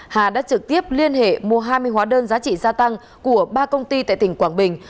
hà đã trực tiếp liên hệ mua hai mươi hóa đơn giá trị gia tăng của ba công ty tại tỉnh quảng bình